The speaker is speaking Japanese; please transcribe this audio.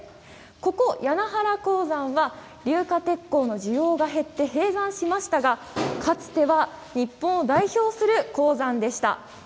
ここを柵原鉱山は硫化鉄鉱の需要が減って閉山しましたがかつては日本を代表する鉱山でした。